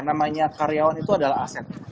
namanya karyawan itu adalah aset